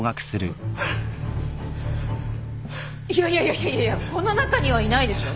いやいやいやこの中にはいないでしょ。